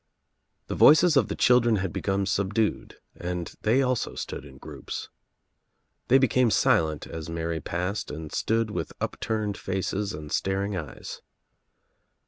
The voices of the children had become subdued and they also stood in groups. They became silent as Mary passed and stood with upturned faces and staring eyes.